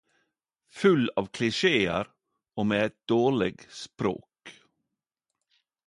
Full av klisjear og med eit dårleg språk.